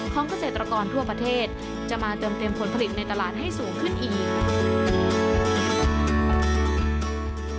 เกษตรกรทั่วประเทศจะมาเติมเต็มผลผลิตในตลาดให้สูงขึ้นอีก